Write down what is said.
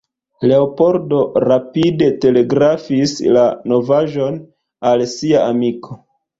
Leopoldo rapide telegrafis la novaĵon al sia amiko.